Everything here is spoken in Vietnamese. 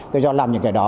tôi cho làm những cái đó